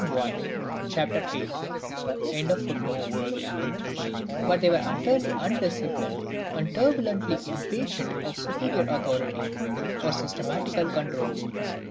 i c. viii.] But they were utterly undisciplined, and turbulently impatient of superior authority, or systematical control.